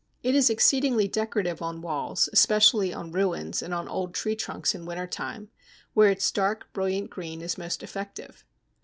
It is exceedingly decorative on walls, especially on ruins and on old tree trunks in winter time, where its dark, brilliant green is most effective.